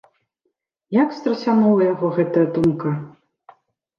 Як страсянула яго гэтая думка!